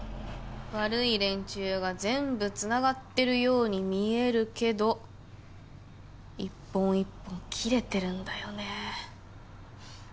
悪い連中が全部繋がってるように見えるけど一本一本切れてるんだよね。